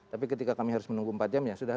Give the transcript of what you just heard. tapi ketika kami harus menunggu empat jam ya sudah